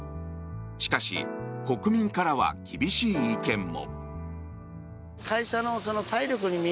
しかし、国民からは厳しい意見も。